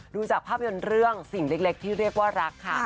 ดูจากภาพยนตร์เรื่องสิ่งเล็กที่เรียกว่ารักค่ะ